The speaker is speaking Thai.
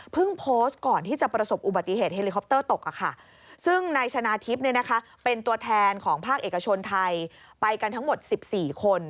เพิ่งโพสต์ก่อนที่จะประสบอุบัติเหตุเฮลิคอปเตอร์ตก